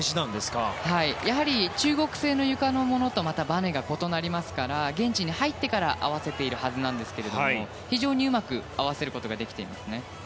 中国製のゆかのものとばねが異なりますから現地に入ってから合わせているはずなんですけれど非常にうまく合わせることができていますね。